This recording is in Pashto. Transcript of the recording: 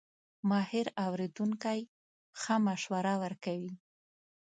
ماهر اورېدونکی ښه مشوره ورکوي.